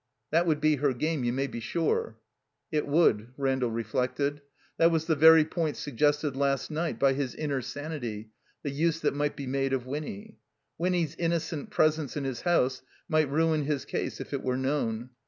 That would be her game, you may be sure." It would, Randall reflected. That was the very point suggested last night by his inner sanity, the use that might be made of Winny. Winny's in nocent presence in his house might ruin his case if it were known.